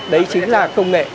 đấy chính là công nghệ